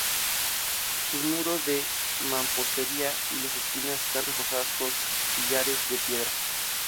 Sus muros son de mampostería, y las esquinas están reforzadas con sillares de piedra.